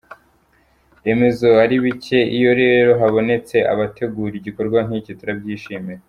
remezo ari bike, iyo rero habonetse abategura igikorwa nk’iki turabyishimira.